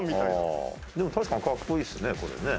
でも確かにかっこいいですねこれね。